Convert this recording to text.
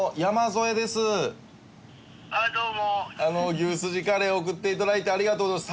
牛すじカレー送って頂いてありがとうございます。